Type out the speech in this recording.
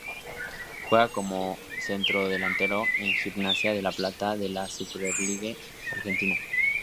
Juega como centrodelantero en Gimnasia de La Plata de la Superliga Argentina.